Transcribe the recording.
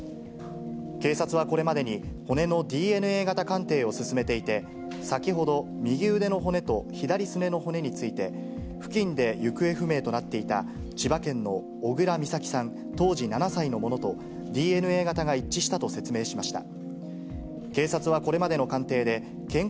警察はこれまでに、骨のＤＮＡ型鑑定を進めていて、先ほど、右腕の骨と左すねの骨について、付近で行方不明となっていた千葉県の小倉美咲さん当時７歳のものと、ＤＮＡ型が一致したと説明しました。